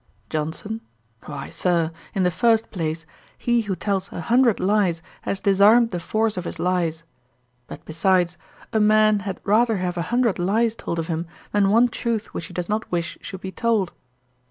JOHNSON. 'Why, Sir, in the first place, he who tells a hundred lies has disarmed the force of his lies. But besides; a man had rather have a hundred lies told of him, than one truth which he does not wish should be told.'